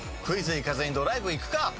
クイズ行かずにドライブ行くか。